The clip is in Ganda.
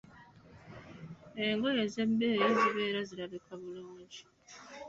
Engoye ez'ebbeeyi zibeera zirabika bulungi.